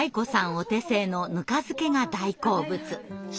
お手製のぬか漬けが大好物。